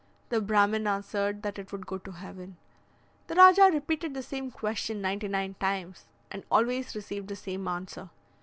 The Brahmin answered that it would go to heaven. The Rajah repeated the same question ninety nine times, and always received the same answer.